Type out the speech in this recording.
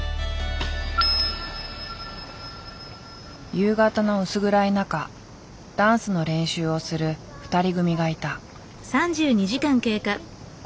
夕方の薄暗い中ダンスの練習をする２人組がいた。